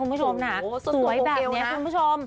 คุณผู้ชมนะสวยแบบนี้คุณผู้ชม